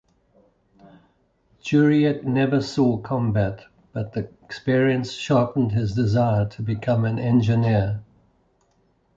Jureit never saw combat but the experience sharpened his desire to become an engineer.